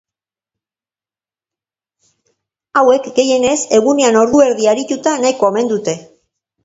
Hauek, gehienez, egunean ordu erdi arituta nahikoa omen dute.